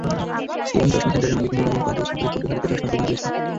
সিয়াম চশমা সেন্টারের মালিক নূর আলম পাঁচ বছর ধরে পাটুয়াটুলীতে চশমার দোকান দিয়েছেন।